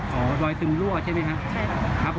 หรือเส้นเดียวครับ